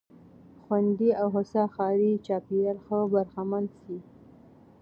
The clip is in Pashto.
خوندي او هوسا ښاري چاپېريال څخه برخمن سي.